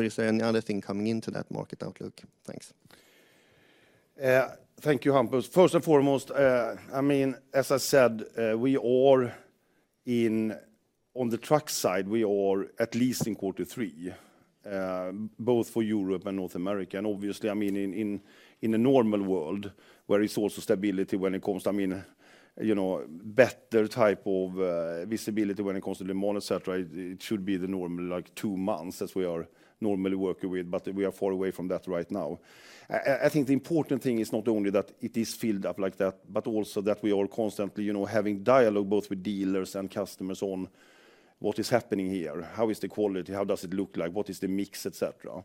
Is there any other thing coming into that market outlook? Thanks. Thank you, Hampus. First and foremost, I mean, as I said, we are in, on the truck side, we are at least in quarter three, both for Europe and North America. Obviously, I mean, in, in a normal world where it is also stability when it comes to, I mean, you know, better type of visibility when it comes to demand, et cetera, it should be the normal, like two months as we are normally working with, but we are far away from that right now. I think the important thing is not only that it is filled up like that, but also that we are constantly, you know, having dialogue both with dealers and customers on what is happening here, how is the quality, how does it look like, what is the mix, et cetera.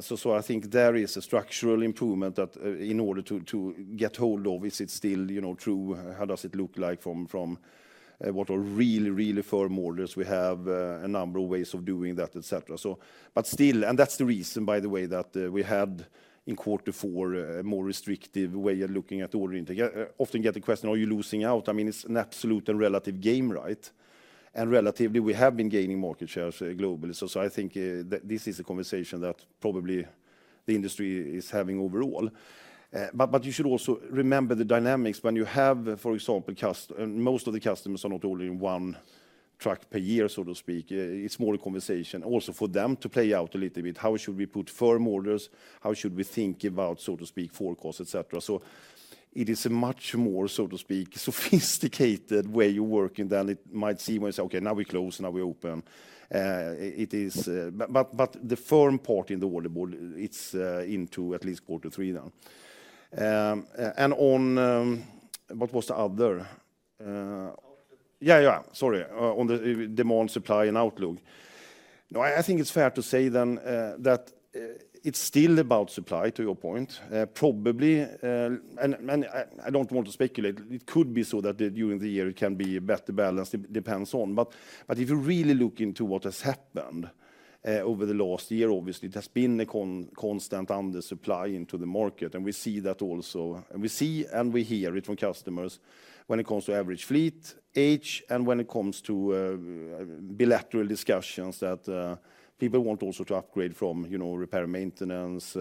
So, so I think there is a structural improvement that in order to get hold of, is it still, you know, true? How does it look like from, what are really, really firm orders? We have a number of ways of doing that, et cetera. But still, and that's the reason, by the way, that we had in quarter four a more restrictive way of looking at order intake. I often get the question, are you losing out? I mean, it's an absolute and relative game, right? Relatively, we have been gaining market shares globally. So I think this is a conversation that probably the industry is having overall. You should also remember the dynamics when you have, for example, most of the customers are not ordering one truck per year, so to speak. It's more a conversation also for them to play out a little bit. How should we put firm orders? How should we think about, so to speak, forecast, et cetera? It is a much more, so to speak, sophisticated way you work than it might seem when you say, okay, now we close, now we open. The firm part in the order book, it's into at least quarter three now. On, what was the other? Outlook. Yeah, yeah. Sorry. On the demand, supply and outlook. I think it's fair to say then, that it's still about supply, to your point. Probably, and I don't want to speculate. It could be so that during the year it can be a better balance. It depends on. If you really look into what has happened over the last year, obviously it has been a constant undersupply into the market, and we see that also. And we hear it from customers when it comes to average fleet age, and when it comes to bilateral discussions that people want also to upgrade from, you know, repair and maintenance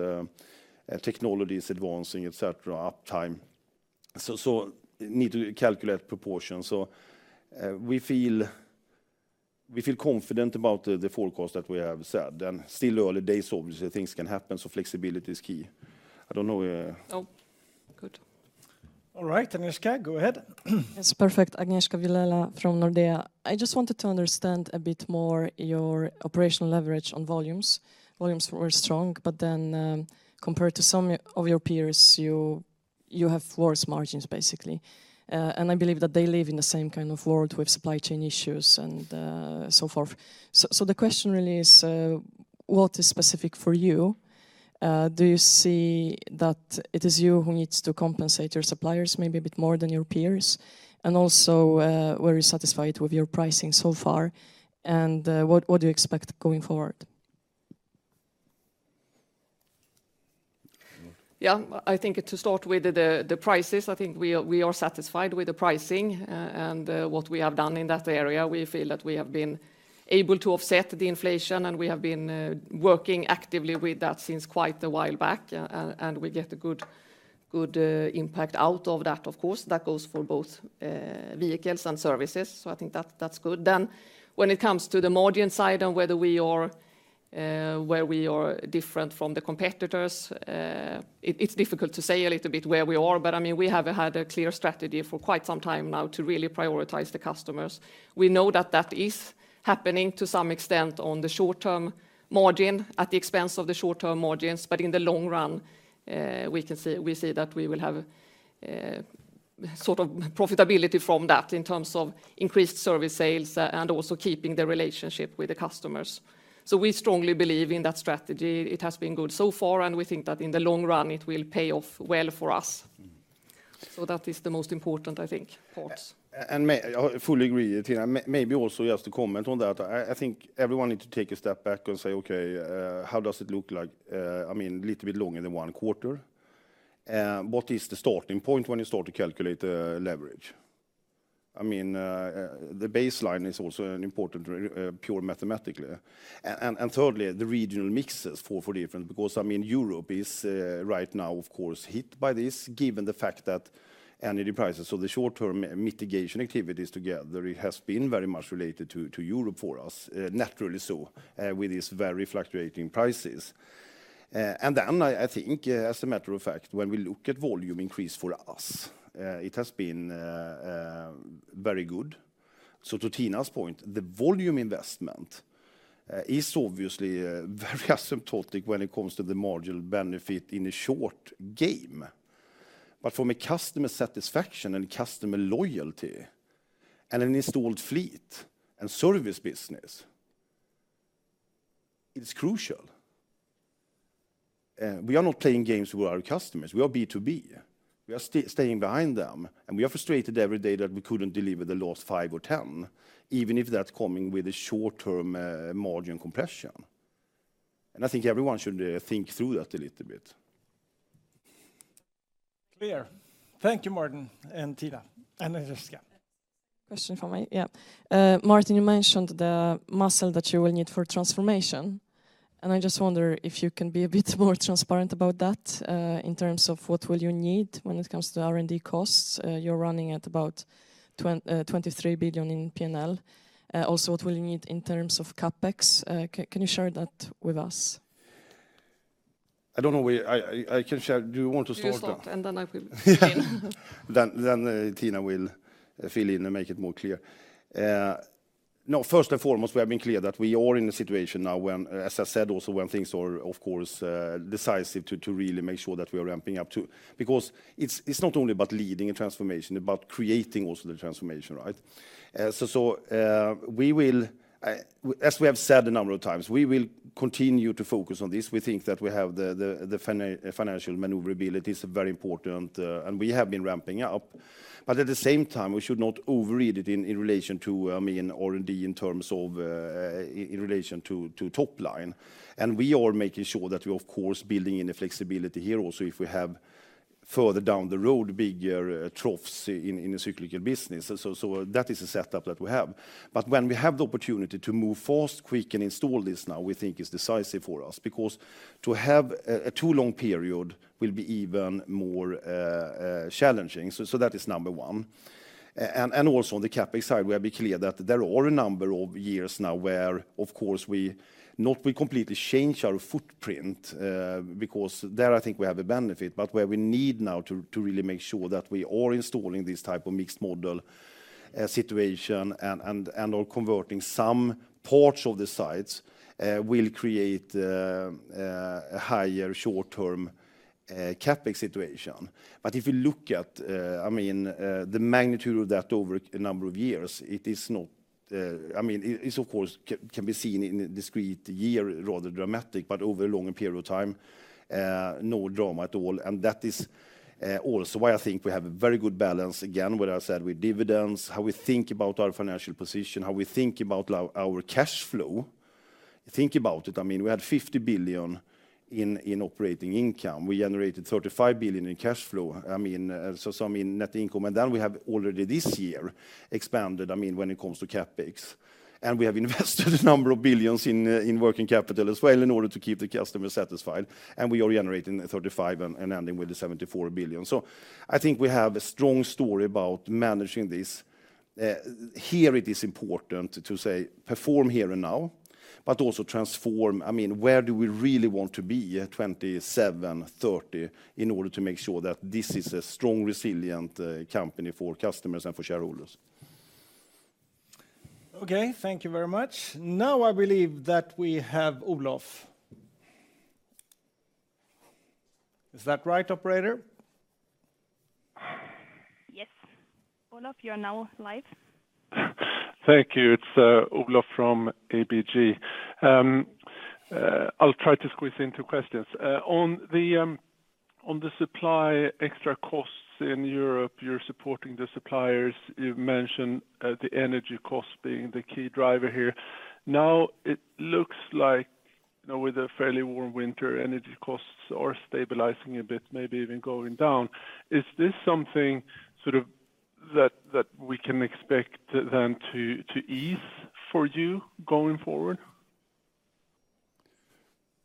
technologies advancing, et cetera, uptime. Need to calculate proportion. We feel confident about the forecast that we have said. Still early days, obviously, things can happen, so flexibility is key. I don't know. Oh, good. All right. Agnieszka, go ahead. Yes. Perfect. Agnieszka Czerkawka from Nordea. I just wanted to understand a bit more your operational leverage on volumes. Volumes were strong. Compared to some of your peers, you have worse margins, basically. I believe that they live in the same kind of world with supply chain issues and so forth. The question really is, what is specific for you? Do you see that it is you who needs to compensate your suppliers maybe a bit more than your peers? Also, were you satisfied with your pricing so far? What do you expect going forward? Yeah. I think to start with the prices, I think we are, we are satisfied with the pricing, and what we have done in that area. We feel that we have been able to offset the inflation, and we have been working actively with that since quite a while back. We get a good impact out of that, of course. That goes for both vehicles and services. I think that's good. When it comes to the margin side and whether we are, where we are different from the competitors, it's difficult to say a little bit where we are. I mean, we have had a clear strategy for quite some time now to really prioritize the customers. We know that that is happening to some extent on the short-term margin, at the expense of the short-term margins. In the long run, we see that we will have sort of profitability from that in terms of increased service sales and also keeping the relationship with the customers. We strongly believe in that strategy. It has been good so far, and we think that in the long run it will pay off well for us. That is the most important, I think, part. I fully agree, Tina. Maybe also just to comment on that. I think everyone need to take a step back and say, okay, how does it look like, I mean, a little bit longer than one quarter? What is the starting point when you start to calculate the leverage? I mean, the baseline is also an important pure mathematically. Thirdly, the regional mixes fall for different, because, I mean, Europe is, right now, of course, hit by this, given the fact that energy prices or the short term mitigation activities together, it has been very much related to Europe for us, naturally so, with these very fluctuating prices. I think, as a matter of fact, when we look at volume increase for us, it has been very good. To Tina's point, the volume investment, is obviously very asymptotic when it comes to the marginal benefit in a short game. From a customer satisfaction and customer loyalty and an installed fleet and service business, it's crucial. We are not playing games with our customers. We are B2B. We are staying behind them, and we are frustrated every day that we couldn't deliver the last five or ten, even if that's coming with a short term, margin compression. I think everyone should think through that a little bit. Clear. Thank you, Martin and Tina, and Jessica. Question for me? Yeah. Martin, you mentioned the muscle that you will need for transformation, I just wonder if you can be a bit more transparent about that, in terms of what will you need when it comes to R&D costs. You're running at about 23 billion in P&L. What will you need in terms of CapEx? Can you share that with us? I don't know where I can share. Do you want to start? You start. Then I will fill in. Tina will fill in and make it more clear. No, first and foremost, we have been clear that we are in a situation now when, as I said, also when things are of course, decisive to really make sure that we are ramping up to. Because it's not only about leading a transformation, about creating also the transformation, right? We will, as we have said a number of times, we will continue to focus on this. We think that we have the financial maneuverability. It's very important, and we have been ramping up. At the same time, we should not overread it in relation to, I mean, R&D in terms of in relation to top line. We are making sure that we, of course, building in the flexibility here also, if we have further down the road, bigger troughs in the cyclical business. That is a setup that we have. When we have the opportunity to move fast, quick, and install this now, we think is decisive for us, because to have a too long period will be even more challenging. That is number one. Also on the CapEx side, we have been clear that there are a number of years now where, of course, we not will completely change our footprint, because there I think we have a benefit. Where we need now to really make sure that we are installing this type of mixed model situation and are converting some parts of the sites will create a higher short term CapEx situation. If you look at, I mean, the magnitude of that over a number of years, it is not, I mean, it is of course can be seen in a discrete year, rather dramatic, but over a longer period of time, no drama at all. That is also why I think we have a very good balance, again, what I said with dividends, how we think about our financial position, how we think about our cash flow. Think about it, I mean, we had 50 billion in operating income. We generated 35 billion in cash flow. I mean, some in net income. Then we have already this year expanded, I mean, when it comes to CapEx. We have invested a number of billions in working capital as well in order to keep the customer satisfied. We are generating 35 billion and ending with the 74 billion. I think we have a strong story about managing this. Here it is important to say perform here and now, but also transform, I mean, where do we really want to be 2027, 2030, in order to make sure that this is a strong, resilient company for customers and for shareholders. Okay. Thank you very much. Now I believe that we have Olof. Is that right, operator? Yes. Olof, you are now live. Thank you. It's Olof from ABG. I'll try to squeeze in two questions. On the supply extra costs in Europe, you're supporting the suppliers. You've mentioned, the energy cost being the key driver here. Now it looks like, you know, with a fairly warm winter, energy costs are stabilizing a bit, maybe even going down. Is this something sort of that we can expect then to ease for you going forward?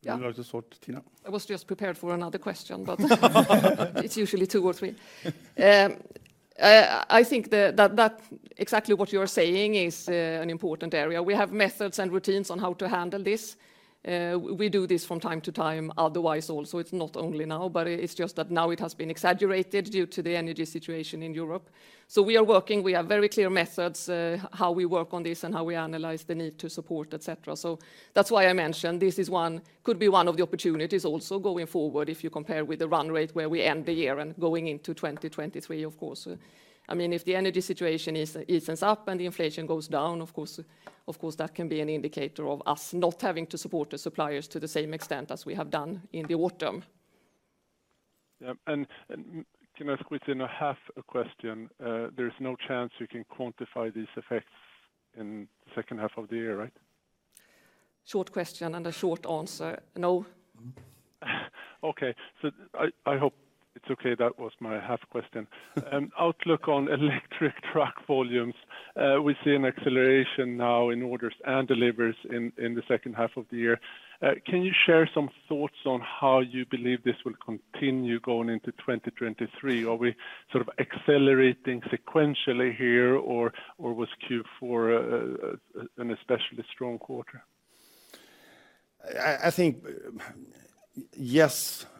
Yeah. I'll just talk to Tina. I was just prepared for another question. It's usually two or three. I think that exactly what you're saying is an important area. We have methods and routines on how to handle this. We do this from time to time, otherwise also, it's not only now, but it's just that now it has been exaggerated due to the energy situation in Europe. We are working, we have very clear methods, how we work on this and how we analyze the need to support, et cetera. That's why I mentioned this is one, could be one of the opportunities also going forward if you compare with the run rate where we end the year and going into 2023, of course. I mean, if the energy situation evens up and the inflation goes down, of course, that can be an indicator of us not having to support the suppliers to the same extent as we have done in the autumn. Yeah. Can I squeeze in a half a question? There's no chance you can quantify these effects in the second half of the year, right? Short question and a short answer, no. Okay. I hope it's okay, that was my half question. Outlook on electric truck volumes. We see an acceleration now in orders and deliveries in the second half of the year. Can you share some thoughts on how you believe this will continue going into 2023? Are we sort of accelerating sequentially here or was Q4 an especially strong quarter? I think yes, in the two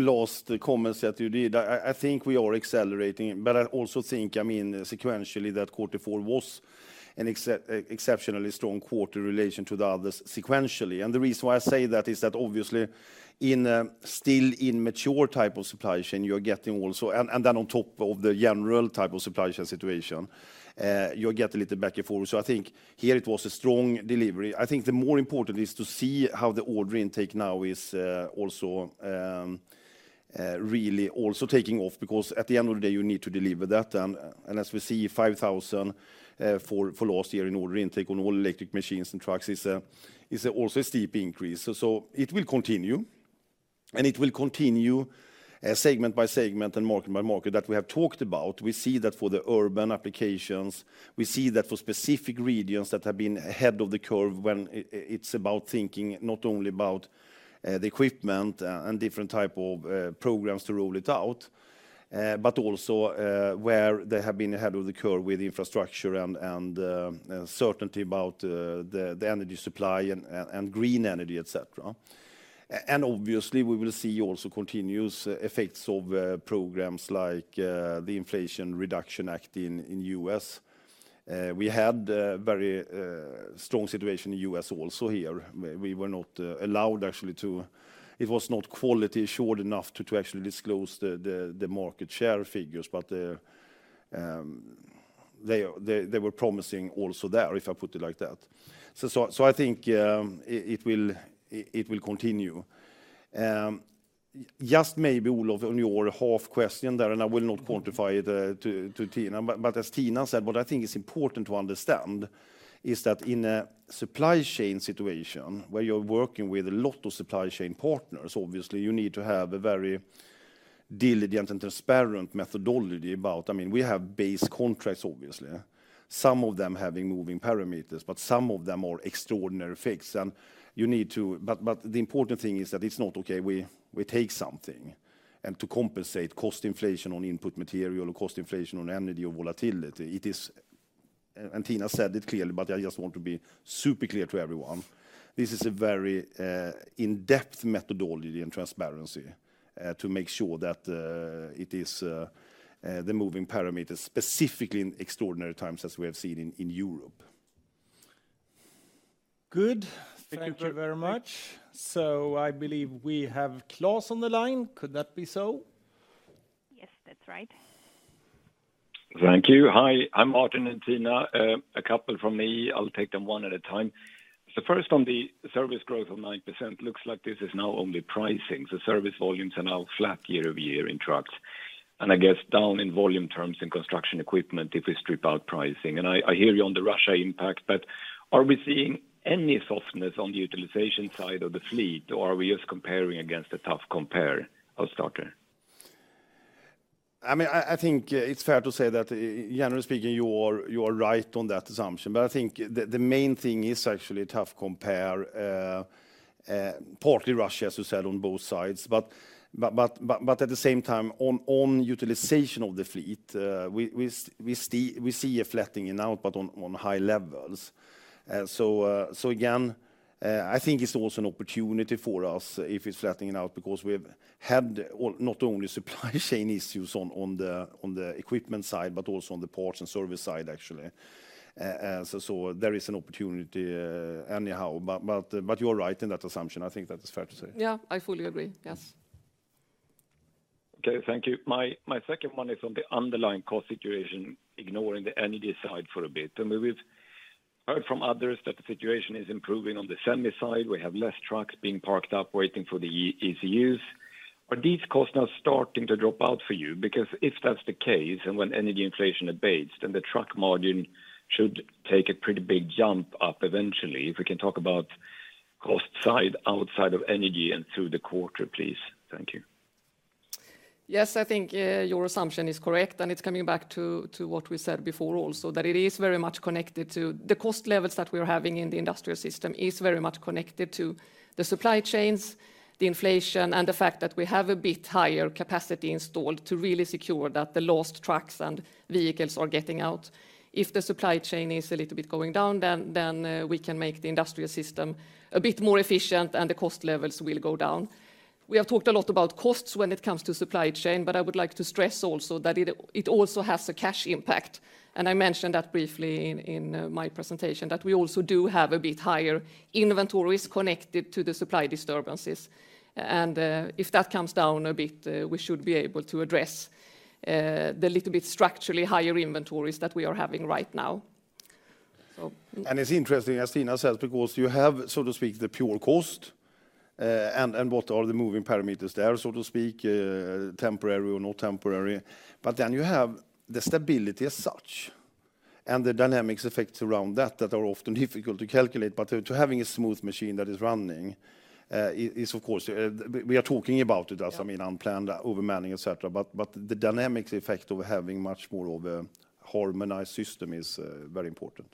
last comments that you did, I think we are accelerating. I also think, I mean, sequentially, that quarter four was an exceptionally strong quarter in relation to the others sequentially. The reason why I say that is that obviously in a still immature type of supply chain, you're getting also. On top of the general type of supply chain situation, you get a little back and forth. I think here it was a strong delivery. I think the more important is to see how the order intake now is also really also taking off, because at the end of the day, you need to deliver that. As we see 5,000, for last year in order intake on all-electric machines and trucks is also a steep increase. It will continue, and it will continue, segment by segment and market by market that we have talked about. We see that for the urban applications. We see that for specific regions that have been ahead of the curve when it's about thinking not only about, the equipment and different type of, programs to roll it out, but also, where they have been ahead of the curve with infrastructure and, certainty about, the energy supply and, green energy, et cetera. And obviously we will see also continuous effects of, programs like, the Inflation Reduction Act in, U.S. We had a very strong situation in U.S. also here. We were not allowed actually. It was not quality assured enough to actually disclose the market share figures. They were promising also there, if I put it like that. I think it will continue. Just maybe, Olof, on your half question there, and I will not quantify it to Tina, but as Tina said, what I think is important to understand is that in a supply chain situation where you're working with a lot of supply chain partners, obviously you need to have a very diligent and transparent methodology about. I mean, we have base contracts, obviously. Some of them having moving parameters, but some of them are extraordinary effects. The important thing is that it's not okay we take something and to compensate cost inflation on input material or cost inflation on energy or volatility. It is. Tina said it clearly. I just want to be super clear to everyone, this is a very in-depth methodology and transparency to make sure that it is the moving parameters, specifically in extraordinary times as we have seen in Europe. Good. Thank you very much. I believe we have Claes on the line. Could that be so? Yes, that's right. Thank you. Hi, I'm Martin and Tina. A couple from me. I'll take them one at a time. First on the service growth of 9%, looks like this is now only pricing. Service volumes are now flat year-over-year in trucks, and I guess down in volume terms in construction equipment if we strip out pricing. I hear you on the Russia impact, but are we seeing any softness on the utilization side of the fleet or are we just comparing against a tough compare of Stocker? I mean, I think it's fair to say that generally speaking, you are right on that assumption. I think the main thing is actually a tough compare, partly Russia, as you said, on both sides. At the same time, on utilization of the fleet, we see a flattening out but on high levels. Again, I think it's also an opportunity for us if it's flattening out because we've had not only supply chain issues on the equipment side, but also on the parts and service side, actually. There is an opportunity, anyhow. You are right in that assumption. I think that is fair to say. Yeah, I fully agree. Yes. Okay, thank you. My second one is on the underlying cost situation, ignoring the energy side for a bit. I mean, we've heard from others that the situation is improving on the Semi side. We have less trucks being parked up waiting for the ECUs. Are these costs now starting to drop out for you? If that's the case, and when energy inflation abates, then the truck margin should take a pretty big jump up eventually. If we can talk about cost side outside of energy and through the quarter, please. Thank you. Yes, I think, your assumption is correct, and it's coming back to what we said before also, that it is very much connected to... The cost levels that we're having in the industrial system is very much connected to the supply chains, the inflation, and the fact that we have a bit higher capacity installed to really secure that the lost trucks and vehicles are getting out. If the supply chain is a little bit going down, then, we can make the industrial system a bit more efficient, and the cost levels will go down. We have talked a lot about costs when it comes to supply chain, but I would like to stress also that it also has a cash impact. I mentioned that briefly in my presentation, that we also do have a bit higher inventories connected to the supply disturbances. If that comes down a bit, we should be able to address the little bit structurally higher inventories that we are having right now. It's interesting, as Tina says, because you have, so to speak, the pure cost, and what are the moving parameters there, so to speak, temporary or not temporary. You have the stability as such and the dynamics effects around that that are often difficult to calculate. To having a smooth machine that is running, is, of course, we are talking about it. Yeah As, I mean, unplanned, overmanning, et cetera. But the dynamics effect of having much more of a harmonized system is very important.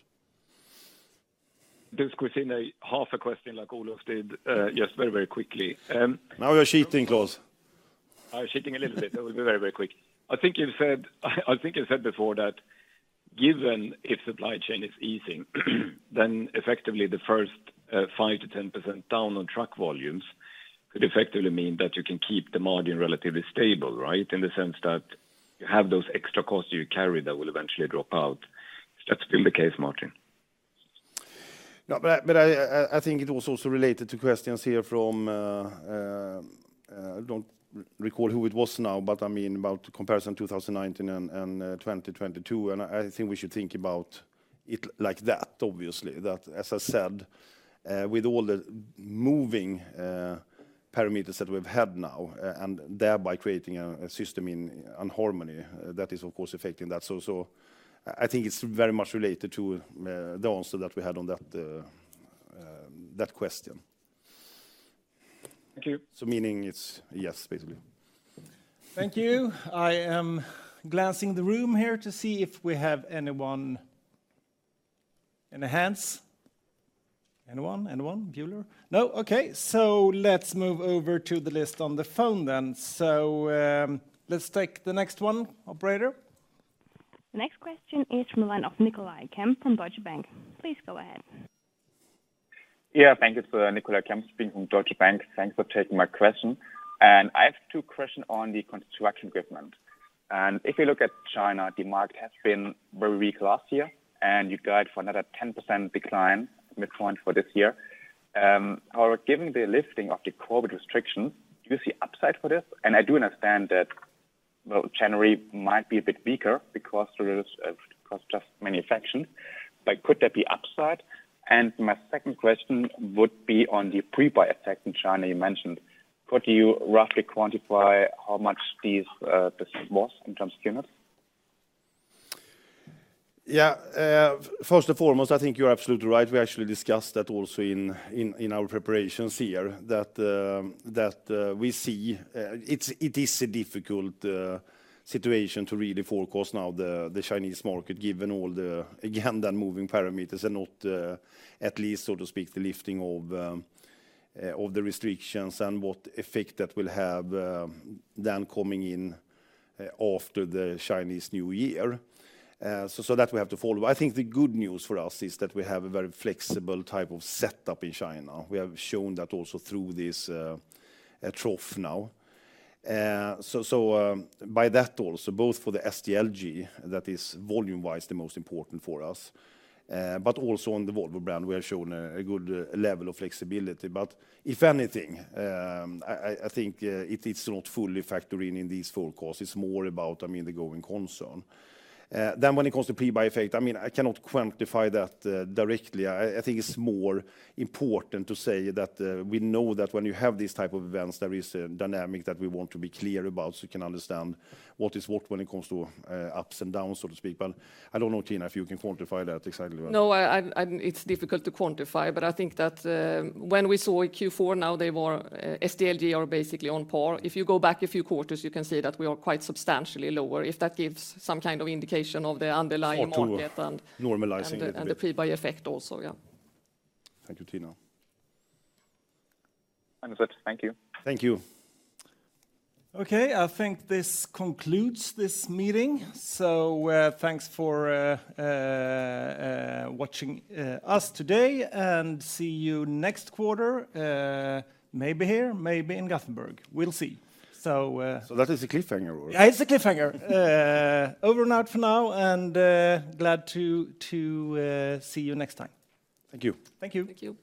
This could be in a half a question like Olof did, just very, very quickly. Now you're cheating, Claes. I'm cheating a little bit. I will be very, very quick. I think you said before that given if supply chain is easing, then effectively the first 5%-10% down on truck volumes could effectively mean that you can keep the margin relatively stable, right? In the sense that you have those extra costs you carry that will eventually drop out. Is that still the case, Martin? I think it was also related to questions here from, I don't record who it was now, but I mean, about comparison 2019 and 2022, and I think we should think about it like that, obviously. As I said, with all the moving parameters that we've had now and thereby creating a system in unharmony, that is of course affecting that. I think it's very much related to the answer that we had on that question. Thank you. Meaning it's yes, basically. Thank you. I am glancing the room here to see if we have anyone. Any hands? Anyone? Anyone? Bueller? No. Okay. Let's move over to the list on the phone then. Let's take the next one, operator. The next question is from the line of Niklas Klingberg from Deutsche Bank. Please go ahead. Thank you, sir. Niklas Klingberg speaking from Deutsche Bank. Thanks for taking my question. I have two questions on the construction equipment. If you look at China, the market has been very weak last year, and you guide for another 10% decline midpoint for this year. However, given the lifting of the COVID restrictions, do you see upside for this? I do understand that, well, January might be a bit weaker because there is, of course, just manufacturing, but could there be upside? My second question would be on the pre-buy effect in China you mentioned. Could you roughly quantify how much this was in terms of units? Yeah. First and foremost, I think you're absolutely right. We actually discussed that also in our preparations here, that we see it's a difficult situation to really forecast now the Chinese market, given all the, again, the moving parameters and not at least, so to speak, the lifting of the restrictions and what effect that will have then coming in after the Chinese New Year. That we have to follow. I think the good news for us is that we have a very flexible type of setup in China. We have shown that also through this trough now. By that also, both for the SDLG, that is volume-wise the most important for us, but also on the Volvo brand, we have shown a good level of flexibility. If anything, I think it is not fully factoring in these forecasts. It's more about, I mean, the growing concern. When it comes to pre-buy effect, I mean, I cannot quantify that directly. I think it's more important to say that we know that when you have these type of events, there is a dynamic that we want to be clear about so you can understand what is what when it comes to ups and downs, so to speak. I don't know, Tina, if you can quantify that exactly well. No, it's difficult to quantify, but I think that when we saw Q4, now they were SDLG are basically on par. If you go back a few quarters, you can see that we are quite substantially lower, if that gives some kind of indication of the underlying market. Sort of normalizing a bit. The pre-buy effect also. Yeah. Thank you, Tina. Understood. Thank you. Thank you. Okay, I think this concludes this meeting. Thanks for watching us today, and see you next quarter. Maybe here, maybe in Gothenburg. We'll see. That is a cliffhanger. It's a cliffhanger. Over and out for now, and glad to see you next time. Thank you. Thank you. Thank you.